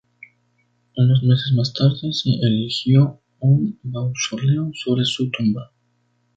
Unos meses más tarde, se erigió un mausoleo sobre su tumba.